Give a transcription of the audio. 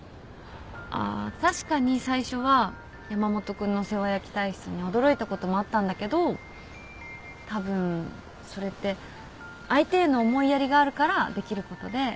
あっ確かに最初は山本君の世話焼き体質に驚いたこともあったんだけどたぶんそれって相手への思いやりがあるからできることで。